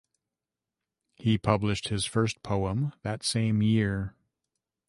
He published his first poem that same year.